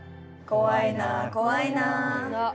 怖いな怖いな。